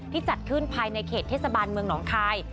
จัดขึ้นภายในเขตเทศบาลเมืองหนองคาย